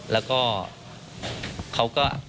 แล้วก็เขาก็